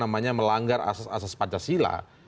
melanggar asas asas pancasila